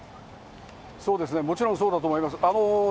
そうですね、もちろんそうだと思います。